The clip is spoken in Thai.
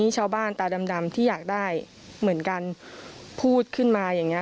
ฉลาบบ้านตาดำที่อยากพูดขึ้นมาอย่างนี้